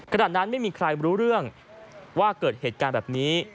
ขณะนั้นไม่มีใครรู้เรื่องว่าเกิดเหตุการณ์แบบนี้